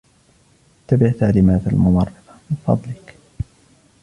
اتّبع تعليمات الممرضة ، من فضلك.